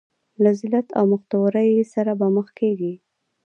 له ذلت او مختورۍ سره به مخ کېږي.